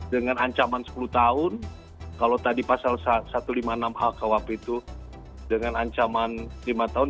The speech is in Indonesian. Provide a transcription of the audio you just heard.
dengan ancaman sepuluh tahun kalau tadi pasal satu ratus lima puluh enam h kuap itu dengan ancaman lima tahun